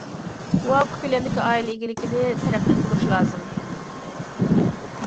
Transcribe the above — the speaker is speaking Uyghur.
مۇۋاپىق كۆلەمدىكى ئائىلە ئىگىلىكىنى تەرەققىي قىلدۇرۇش لازىم.